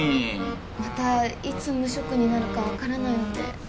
またいつ無職になるかわからないので。